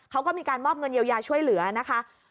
เขาก็มีการมอบเงินเยียวยาช่วยเหลือนะคะ